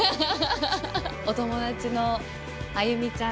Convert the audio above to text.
お友達のあゆみちゃんです。